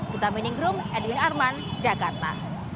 kita meeting room edwin arman jakarta